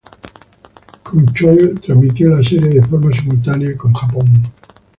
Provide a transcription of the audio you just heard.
Crunchyroll transmitió la serie de forma simultánea con Japón.